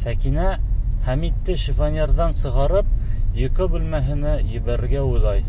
Сәкинә Хәмитте шифоньерҙан сығарып, йоҡо бүлмәһенә ебәрергә уйлай.